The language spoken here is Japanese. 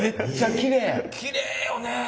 きれいよね。